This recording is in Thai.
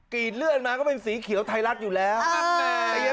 รีดเลื่อนมาก็เป็นสีเขียวไทยรัฐอยู่แล้ว